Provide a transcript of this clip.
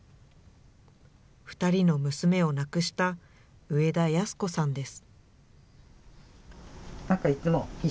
２人の娘を亡くした植田安子さんです。